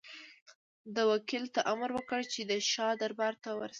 ده وکیل ته امر وکړ چې د شاه دربار ته ورسي.